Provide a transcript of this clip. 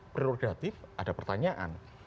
prerogatif ada pertanyaan